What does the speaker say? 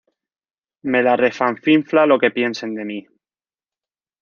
Me la refanfinfla lo que piensen de mí